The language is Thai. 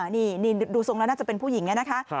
นี่ดูทรงแล้วน่าจะเป็นผู้หญิงนะคะ